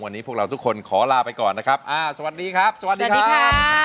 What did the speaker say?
วันนี้พวกเราทุกคนขอลาไปก่อนนะครับอ่าสวัสดีครับสวัสดีครับ